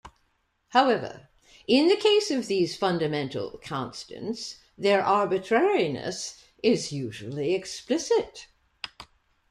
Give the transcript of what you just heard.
However, in the case of these fundamental constants, their arbitrariness is usually explicit.